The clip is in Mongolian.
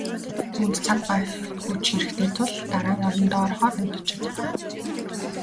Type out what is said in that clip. Үүнд цаг ба хүч хэрэгтэй тул дараа нь орондоо орохоор унтаж чадах байх.